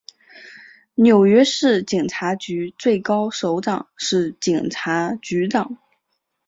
纽约市警察局最高首长是警察局长。